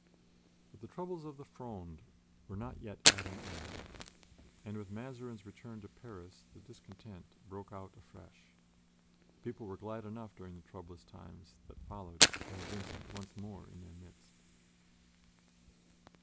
But the troubles of the Fronde were not yet at an end, and with Mazarin's return to Paris the discontent broke out afresh. The people were glad enough during the troublous times that followed to have Vincent once more in their midst.